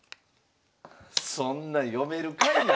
そんな読めるかいな！